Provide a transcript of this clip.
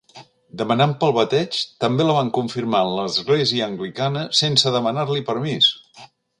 Demanant pel bateig, també la van confirmar en l'església anglicana sense demanar-li permís!